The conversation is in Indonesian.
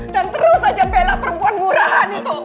dan terus aja bela perempuan murahan itu